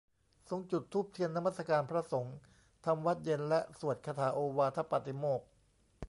ทรงจุดธูปเทียนนมัสการ พระสงฆ์ทำวัตรเย็นและสวดคาถาโอวาทปาติโมกข์